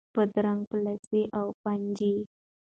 بادرنګ په لسي او په پنجي